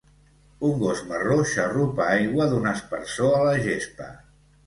Un gos marró xarrupa aigua d'un aspersor a la gespa.